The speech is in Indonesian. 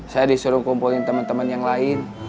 saya disuruh kumpulin temen temen yang lain